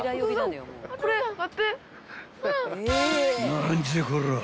［何じゃこらぁ！